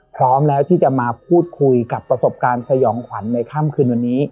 พร้อมแล้วที่จะมาพูดคุยกับประสบการณ์สยองขวัญในค่ำคืนวันนี้